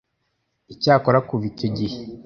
Icyakora kuva icyo gihe,